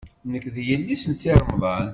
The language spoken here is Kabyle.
Nekk d yelli-s n Si Remḍan.